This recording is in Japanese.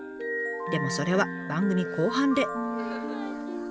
でもそれは番組後半で。